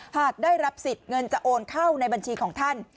หากได้รับสิทธิ์เงินจะโอนเข้าในบัญชีของท่าน